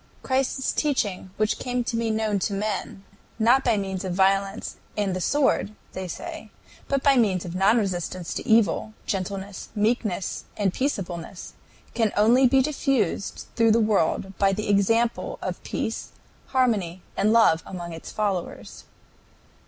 "Christ's teaching, which came to be known to men, not by means of violence and the sword," they say, "but by means of non resistance to evil, gentleness, meekness, and peaceableness, can only be diffused through the world by the example of peace, harmony, and love among its followers."